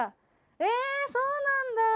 ええそうなんだ。